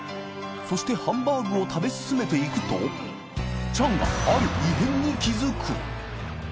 磴修靴ハンバーグを食べ進めていくと礇船礇鵑ある異変に気づく森川）